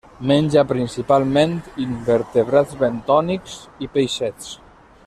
Menja principalment invertebrats bentònics i peixets.